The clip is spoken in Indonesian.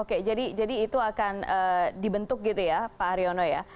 oke jadi itu akan dibentuk gitu ya pak haryono ya